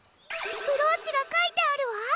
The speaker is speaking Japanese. ブローチがかいてあるわ！